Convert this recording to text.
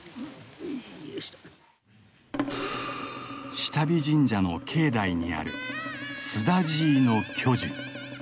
志多備神社の境内にあるスダジイの巨樹。